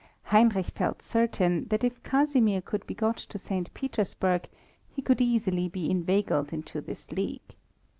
Heinrich felt certain that if Casimir could be got to St. Petersburg he could easily be inveigled into this league.